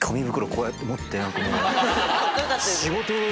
こうやって持って。